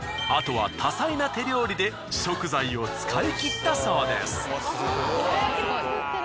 あとは多彩な手料理で食材を使い切ったそうです。